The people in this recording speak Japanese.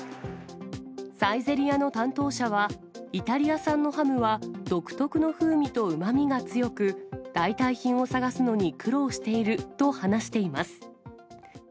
サイゼリヤの担当者は、イタリア産のハムは、独特の風味とうまみが強く、代替品を探すのに苦労していると話しています。